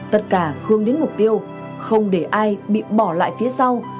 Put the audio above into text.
tất cả hướng đến mục tiêu không để ai bị bỏ lại phía sau